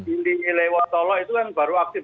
indi ilewotolo itu kan baru aktif